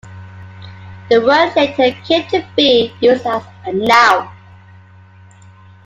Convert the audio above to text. The word later came to be used as a noun.